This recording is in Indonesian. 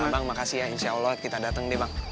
bang makasih ya insya allah kita datang nih bang